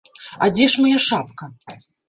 А дзе ж мая шапка?